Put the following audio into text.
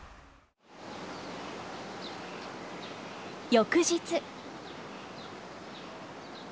翌日。